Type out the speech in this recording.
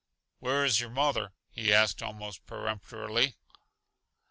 "Where is your mother?" he asked, almost peremptorily.